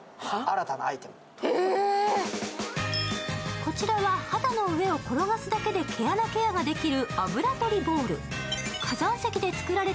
こちらは肌の上を転がすだけで毛穴ケアができる油とりボール。